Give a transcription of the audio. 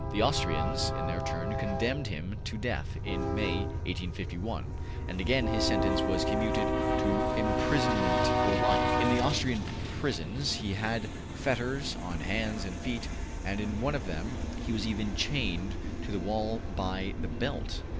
The Austrians, in their turn, condemned him to death in May, 1851, and again his sentence was commuted to imprisonment for life. In the Austrian prisons he had fetters on hands and feet, and in one of them he was even chained to the wall by the belt.